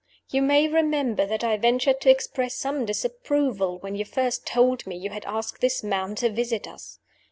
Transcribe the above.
"You may remember that I ventured to express some disapproval when you first told me you had asked this man to visit us.